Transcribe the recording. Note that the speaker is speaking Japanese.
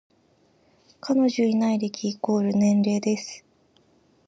彼女いない歴イコール年齢です